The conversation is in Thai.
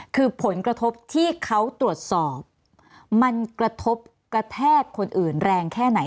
คือผลกระทบที่เขาตรวจสอบมันกระทบกระแทกคนอื่นแรงแค่ไหน